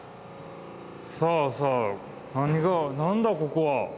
さあさあ何が何だここは。